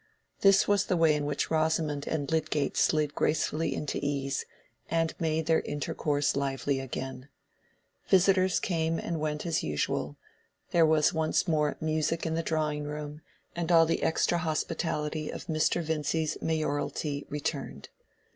This was the way in which Rosamond and Lydgate slid gracefully into ease, and made their intercourse lively again. Visitors came and went as usual, there was once more music in the drawing room, and all the extra hospitality of Mr. Vincy's mayoralty returned.